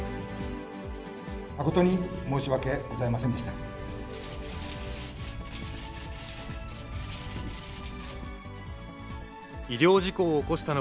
誠に申し訳ございませんでした。